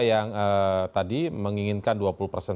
yang tadi menginginkan